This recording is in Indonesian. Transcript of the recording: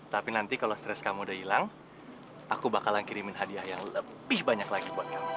tapi nanti kalau stres kamu udah hilang aku bakalan kirimin hadiah yang lebih banyak lagi buat kamu